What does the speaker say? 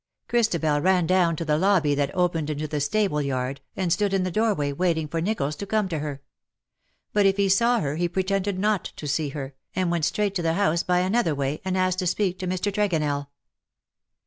Christabel ran down to the lobby that opened into the stable yard, and stood in the door way waiting for NichoUs to come to her ; but if he saw her, he pretended not to see her, and went straight to the house by another way, and asked to speak to Mr. Tregonell.